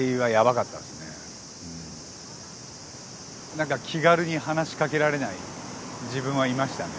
なんか気軽に話しかけられない自分はいましたね。